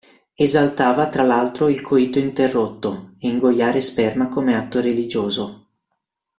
Esaltava tra l'altro il coito interrotto e ingoiare sperma come atto religioso.